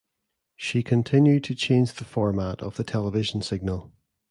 She continued to change the format of the television signal.